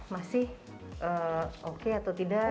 masih oke atau tidak